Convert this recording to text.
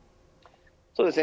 そうですね。